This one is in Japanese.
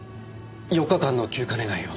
４日間の休暇願を。